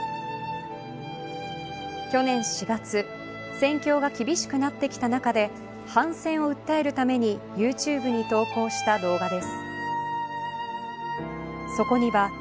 去年４月、戦況が厳しくなってきた中で反戦を訴えるためにユーチューブに投稿した動画です。